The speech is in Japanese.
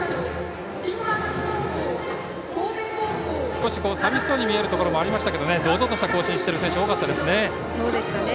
少し寂しそうに見えるところもありましたが堂々とした行進をしている選手が多かったですね。